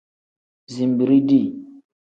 Zinbiri dii.